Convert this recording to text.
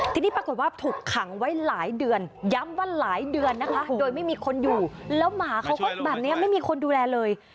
ทีนี้ปรากฏว่าถูกขังไว้หลายเดือนย้ำว่าหลายเดือนนะคะโดยไม่มีคนอยู่แล้วหมาเขาก็แบบนี้ไม่มีคนดูแลเลย